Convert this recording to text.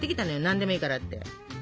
「何でもいいから」って。